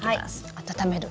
温める。